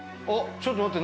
ちょっと待って。